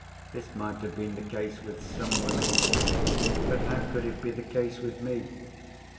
This might have been the case with some women—but how could it be the case with me?